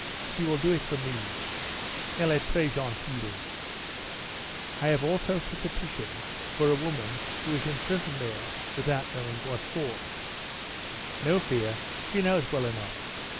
She will do it for me. Elle est tres gentille." "I have also to petition for a woman who is imprisoned there without knowing what for." "No fear; she knows well enough.